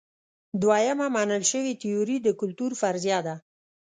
دویمه منل شوې تیوري د کلتور فرضیه ده.